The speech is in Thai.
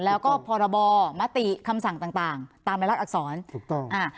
แล้วก็พรบมติคำสั่งต่างต่างตามในรัฐอักษรถูกต้องอ่า